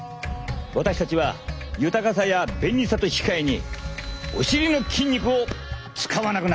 私たちは豊かさや便利さと引き換えにお尻の筋肉を使わなくなったのだ。